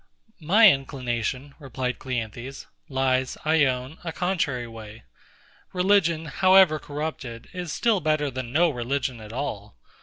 My inclination, replied CLEANTHES, lies, I own, a contrary way. Religion, however corrupted, is still better than no religion at all.